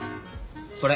それ！